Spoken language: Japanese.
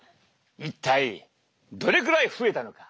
一体どれくらい増えたのか。